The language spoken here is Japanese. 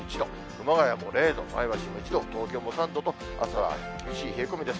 熊谷も０度、前橋も１度、東京も３度と、あすは厳しい冷え込みです。